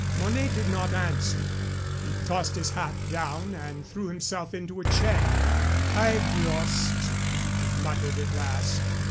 Mornay did not answer. He tossed his hat down and threw himself into a chair. "I've lost," he muttered at last.